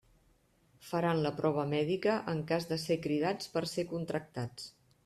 Faran la prova mèdica en cas de ser cridats per ser contractats.